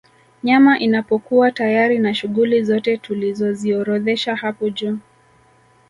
Nyama inapokuwa tayari na shughuli zote tulizoziorodhesha hapo juu